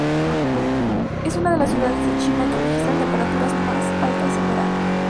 Es una de las ciudades de China que registran temperaturas más altas en verano.